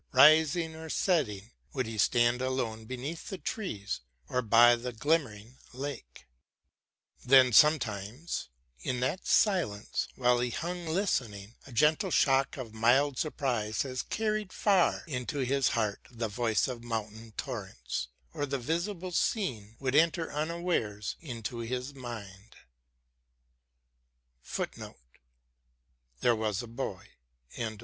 Rising or setting, would he stand alone Beneath the trees, or by the glimmering lake. Then sometimes, in that silence, while he hung Listening, a gentle shock of mild surprise Has carried far into his heart the voice Of mountain torrents ; or the visible scene Would enter unawares into his mind.